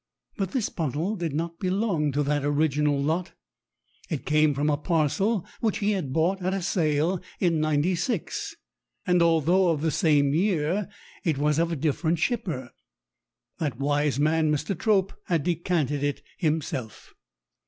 But this bottle did not belong to that original lot. It came from a parcel which he had bought at a sale in '96, and although of the same year, it was of a different shipper. That wise man, Mr. Trope, had decanted it himself.